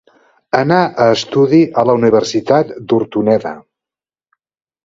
Anar a estudi a la Universitat d'Hortoneda.